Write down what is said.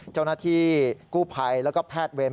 เจ้าหน้าที่กู้ภัยแล้วก็แพทย์เวร